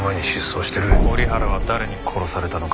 折原は誰に殺されたのか。